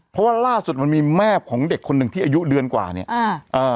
เพราะว่าล่าสุดมันมีแม่ของเด็กคนหนึ่งที่อายุเดือนกว่าเนี่ยอ่าเอ่อ